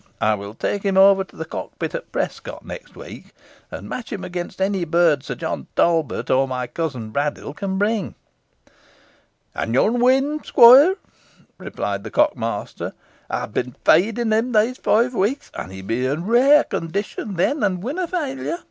I will take him over to the cockpit at Prescot next week, and match him against any bird Sir John Talbot, or my cousin Braddyll, can bring." "And yo'n win, squoire," replied the cock master; "ey ha' been feedin' him these five weeks, so he'll be i' rare condition then, and winna fail yo.